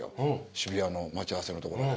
渋谷の待ち合わせの所で。